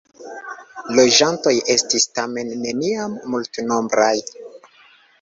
Loĝantoj estis tamen neniam multnombraj.